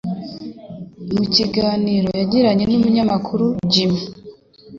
Mu kiganiro yagiranye n'Umunyamakuru Jimmy